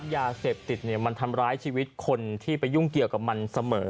ยาเสพติดมันทำร้ายชีวิตคนที่ไปยุ่งเกี่ยวกับมันเสมอ